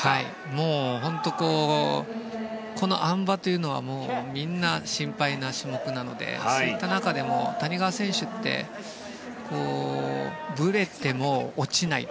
もう本当にこのあん馬というのはみんな心配な種目なのでそういった中でも谷川選手ってぶれても落ちない。